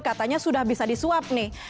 katanya sudah bisa disuap nih